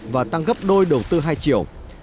và tăng gấp đôi đầu tư hai triệu